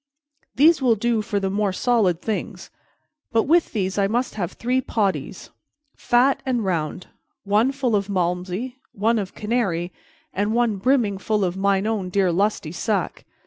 These will do for the more solid things; but with these I must have three potties, fat and round, one full of Malmsey, one of Canary, and one brimming full of mine own dear lusty sack."